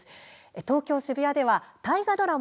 東京・渋谷では大河ドラマ